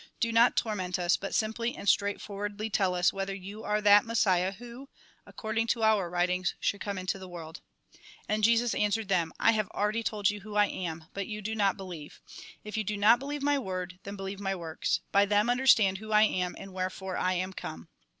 Do not torment us, but simply and straightforwardly tell us, whether you are that Messiah who, according to our writings, should come into the world." And Jesus answered them :" I have already told you who I am, but you do not believe. If you do not believe my word, then believe my works ; by them understand who I am, and wherefore I am come.